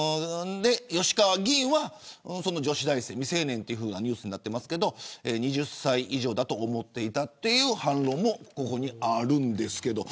吉川議員は、その女子大生未成年とニュースになっていますが２０歳以上だと思っていたという反論も、ここにあるんですけど。